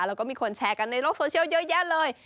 แล้วก็มีคนแชร์กันในโลกโซเชียลเยอะแยะเลย